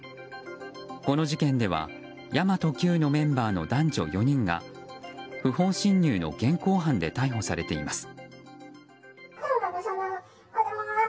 この事件では神真都Ｑのメンバーの男女４人が不法侵入の現行犯で逮捕されています。